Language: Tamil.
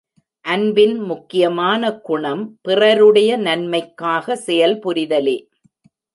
அன்பின் முக்கியமான குணம் பிறருடைய நன்மைக்காகச் செயல்புரிதலே.